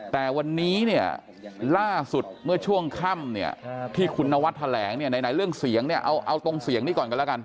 แต่วันนี้เนี่ยล่าสุดเมื่อช่วงค่ำเนี่ยที่คุณนวัดแถลงเนี่ยไหนเรื่องเสียงเนี่ยเอาตรงเสียงนี้ก่อนกันแล้วกัน